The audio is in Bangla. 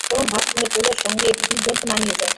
গরম ভাত কিংবা পোলাওয়ের সঙ্গে এটি দুর্দান্ত মানিয়ে যায়।